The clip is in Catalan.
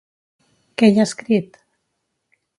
Què hi ha escrit?